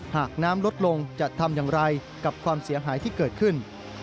หากน้ำลดลงจะทำอย่างไรกับความเสียหายที่เกิดขึ้น